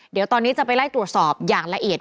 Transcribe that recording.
เดี๋ยวตอนนี้จะไปไล่ตรวจสอบอย่างละเอียด